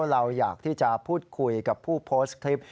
เราอยากที่จะพูดคุยกับผู้โพสต์คลิป